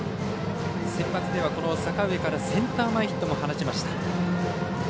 センバツでは阪上からセンター前ヒットも放ちました。